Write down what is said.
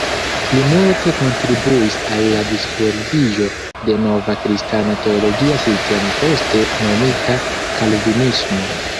Li multe kontribuis al la disvolviĝo de nova kristana teologia sistemo poste nomita kalvinismo.